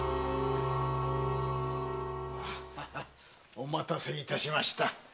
お待たせいたしました。